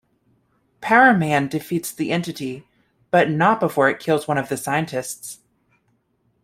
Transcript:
Power Man defeats the entity, but not before it kills one of the scientists.